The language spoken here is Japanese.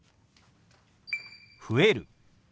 「増える」。